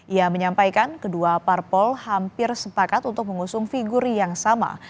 ia menyampaikan kedua parpol hampir sepakat untuk mengusung figur yang sama